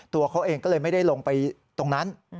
ตัวเขาเองก็เลยไม่ได้ลงไปตรงนั้น